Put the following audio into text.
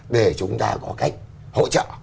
để chúng ta có cách hỗ trợ